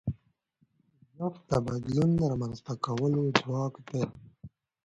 خوځښت د بدلون رامنځته کولو ځواک دی.